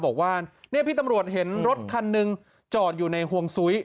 บอกว่าเนี่ยพี่ตำรวจเห็นรถคันหนึ่งจอดอยู่ในห่วงซุ้ย